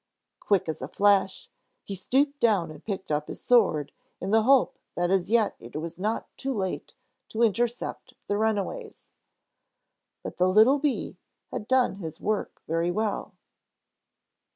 Quick as a flash, he stooped down and picked up his sword, in the hope that as yet it was not too late to intercept the runaways. But the little bee had done its work very well.